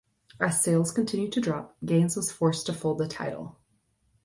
As sales continued to drop, Gaines was forced to fold the title.